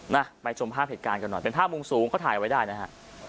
นะไปชมภาพเหตุการณ์กันหน่อยเป็นภาพมุมสูงเขาถ่ายเอาไว้ได้นะฮะ